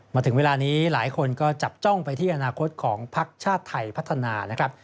มาถึงเวลานี้หลายคนก็จับจ้องไปที่อนาคตของพักชาติไทยพัฒนานะครับ